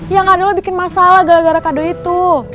ya ga ada lu bikin masalah gara gara kado itu